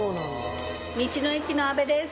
道の駅の安部です。